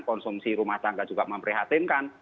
konsumsi rumah tangga juga memprihatinkan